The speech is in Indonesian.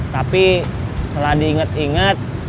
tapi setelah diinget inget